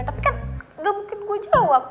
tapi kan gak mungkin gue jawab